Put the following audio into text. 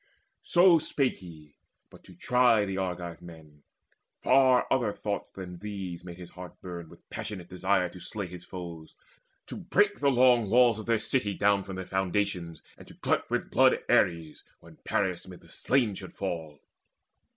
So spake he but to try the Argive men. Far other thoughts than these made his heart burn With passionate desire to slay his foes, To break the long walls of their city down From their foundations, and to glut with blood Ares, when Paris mid the slain should fall.